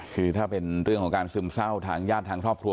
คือถ้าเป็นเรื่องของการซึมเศร้าทางญาติทางครอบครัว